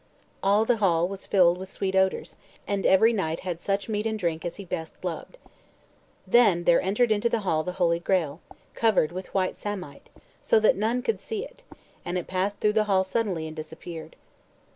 All the hall was filled with sweet odors, and every knight had such meat and drink as he best loved. Then there entered into the hall the Holy Graal, covered with white samite, so that none could see it, and it passed through the hall suddenly, and disappeared.